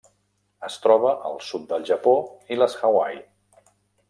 Es troba al sud del Japó i les Hawaii.